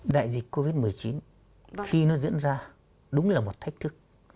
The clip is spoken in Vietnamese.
đại dịch covid một mươi chín khi nó diễn ra đúng là một thách thức